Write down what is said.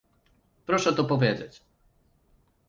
Proszę to powiedzieć